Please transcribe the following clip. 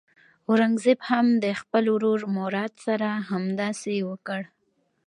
اورنګزېب هم د خپل ورور مراد سره همداسې وکړ.